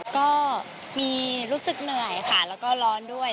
ก็มีรู้สึกเหนื่อยค่ะแล้วก็ร้อนด้วย